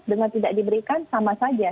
dengan tidak diberikan sama saja